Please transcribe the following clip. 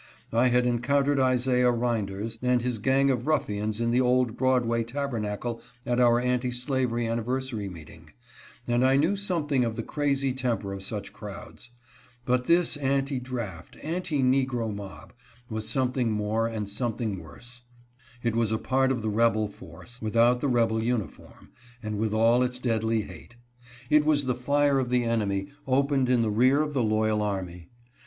I had encountered Isaiah Rynders and his gang of ruffians in the old Broadway Tabernacle at our anti slavery anniversary meeting, and I knew something of the crazy temper of such crowds ; but this anti draft, anti negro mob, was something more and some thing worse — it was a part of the rebel force, without the rebel uniform, but with all its deadly hate ; it was the fire of the enemy opened in the rear of the loyal army.